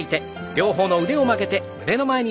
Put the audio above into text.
両方の腕を曲げて胸の前に。